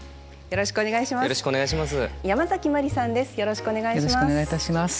よろしくお願いします。